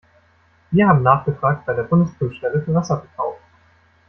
Wir haben nachgefragt bei der Bundesprüfstelle für Wasserverkauf.